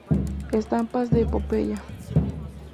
Estampas de epopeya.